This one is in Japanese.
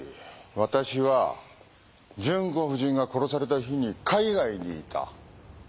私は純子夫人が殺された日に海外にいた。